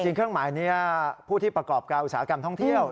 เครื่องหมายนี้ผู้ที่ประกอบการอุตสาหกรรมท่องเที่ยว